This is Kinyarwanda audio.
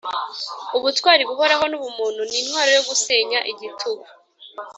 ubutwari buhoraho n' ubumuntu ni intwaro yo gusenya igitugu.